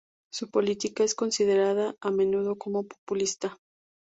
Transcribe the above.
Su política es considerada a menudo como populista.